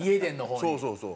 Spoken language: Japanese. そうそうそう。